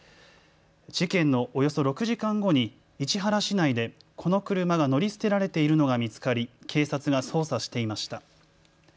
事件のおよそ６時間後に市原市内でこの車が乗り捨てられているのが見つかり警察が捜査していました。